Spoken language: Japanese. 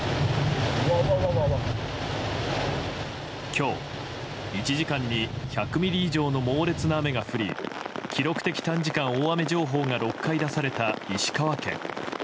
今日１時間に１００ミリ以上の猛烈な雨が降り記録的短時間大雨情報が６回出された石川県。